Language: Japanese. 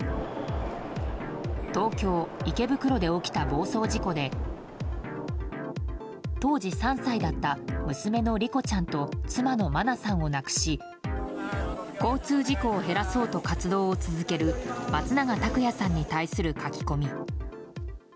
東京・池袋で起きた暴走事故で当時３歳だった娘の莉子ちゃんと妻の真菜さんを亡くし交通事故を減らそうと活動を続ける松永拓也さんに対する書き込み。